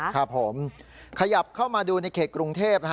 ครับผมขยับเข้ามาดูในเขตกรุงเทพ